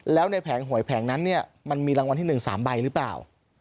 แล้วในแผงหวยแผงนั้นเนี่ยมันมีรางวัลที่๑๓ใบหรือเปล่า